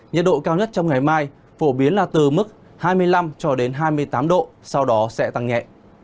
nhiệt độ cao nhất trong ngày mai phổ biến là từ mức hai mươi năm cho đến hai mươi tám độ sau đó sẽ tăng nhẹ